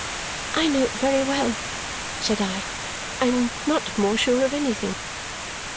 "I know it very well," said I. "I am not more sure of anything."